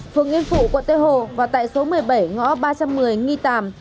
phường yên phụ quận tây hồ và tại số một mươi bảy ngõ ba trăm một mươi nghi tàm